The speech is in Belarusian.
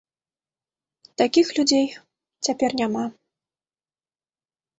Такіх людзей цяпер няма.